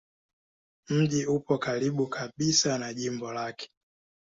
Mji upo karibu kabisa na jimbo lake.